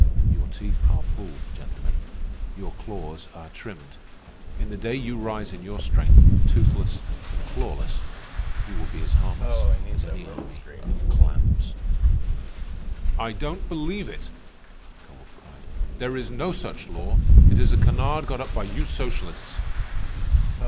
Your teeth are pulled, gentlemen. Your claws are trimmed. In the day you rise in your strength, toothless and clawless, you will be as harmless as any army of clams." "I don't believe it!" Kowalt cried. "There is no such law. It is a canard got up by you socialists."